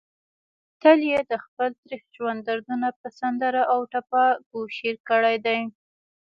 تل يې دخپل تريخ ژوند دردونه په سندره او ټپه کوشېر کړي دي